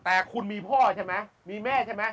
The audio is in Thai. แต่คุณมีพ่อใช่ไหมมีแม่ใช่ไหม